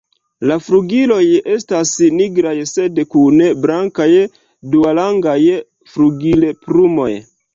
La flugiloj estas nigraj sed kun blankaj duarangaj flugilplumoj.